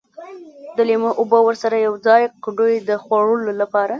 د لیمو اوبه ورسره یوځای کړي د خوړلو لپاره.